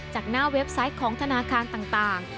จากหน้าเว็บไซต์ของธนาคารต่าง